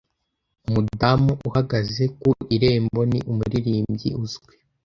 Umudamu uhagaze ku irembo ni umuririmbyi uzwi.